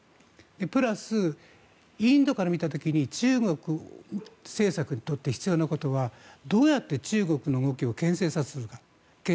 プラス、インドから見た時に中国政策にとって必要なことはどうやって中国の動きをけん制するか。